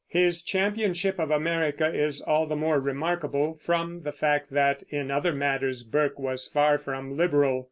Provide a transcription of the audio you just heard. His championship of America is all the more remarkable from the fact that, in other matters, Burke was far from liberal.